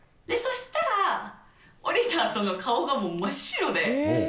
そしたら、降りたあとの顔がもう真っ白で。